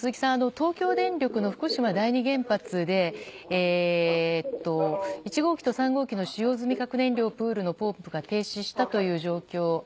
東京電力の福島第二原発で１号機と３号機の使用済み核燃料プールのポンプが停止したという状況。